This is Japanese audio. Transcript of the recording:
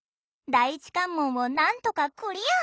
第一関門をなんとかクリア！